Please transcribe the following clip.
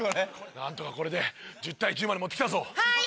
何とかこれで１０対９まで持って来たぞ。はい！